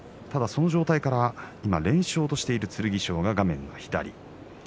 その状態から連勝としている剣翔が画面の左です。